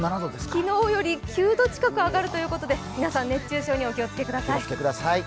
昨日より９度近く上がるということで皆さん、熱中症にお気をつけください。